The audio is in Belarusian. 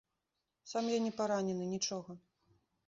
Сам я не паранены, нічога.